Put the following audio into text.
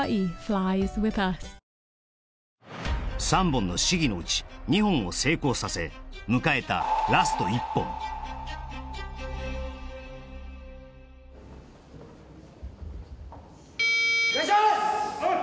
３本の試技のうち２本を成功させ迎えたラスト１本お願いします！